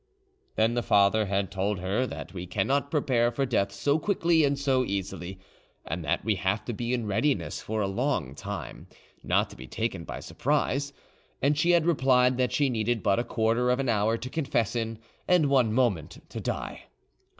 Then the father had told her that we cannot prepare for death so quickly and so easily; and that we have to be in readiness for a long time, not to be taken by surprise; and she had replied that she needed but a quarter of an hour to confess in, and one moment to die.